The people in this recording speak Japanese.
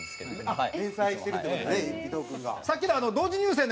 はい。